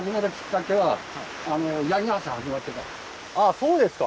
あっそうですか。